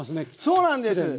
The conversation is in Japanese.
そうなんです。